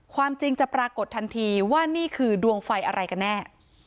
ความจริงจะปรากฏทันทีว่านี่คือดวงไฟอะไรกันแน่